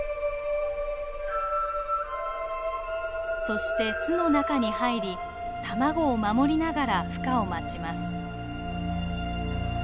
そして巣の中に入り卵を守りながらふ化を待ちます。